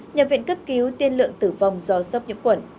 nhập viện cấp cứu tiên lượng tử vong do sốc nhiễm khuẩn